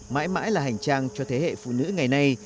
mãi mãi là hành trang cho thế hệ phụ nữ ngày nay